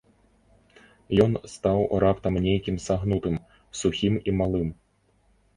Ён стаў раптам нейкім сагнутым, сухім і малым.